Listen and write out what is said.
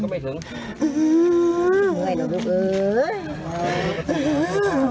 ไม่ถึง